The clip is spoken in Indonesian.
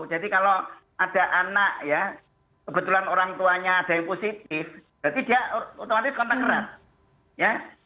jadi kalau ada anak ya kebetulan orang tuanya ada yang positif berarti dia otomatis kontak erat ya